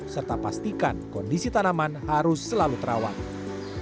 serta pastikan kondisi tanaman harus selalu terawat